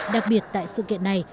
đặc biệt tại sự kiện này